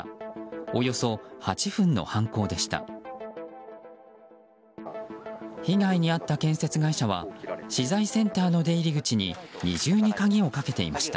およそ８分の犯行でした。